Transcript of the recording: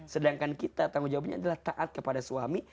sedangkan kita tanggung jawabnya adalah taat kepada suami